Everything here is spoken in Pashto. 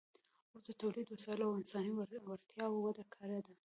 اوس د تولیدي وسایلو او انساني وړتیاوو وده کړې ده